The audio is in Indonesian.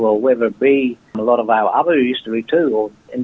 untuk mengajar orang orang